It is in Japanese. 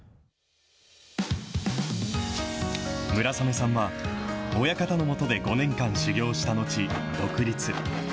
村雨さんは、親方の下で５年間修業したのち、独立。